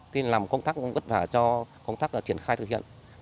nên làm công tác cũng vất vả cho công tác triển khai thực hiện